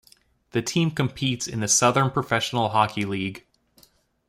The team competes in the Southern Professional Hockey League.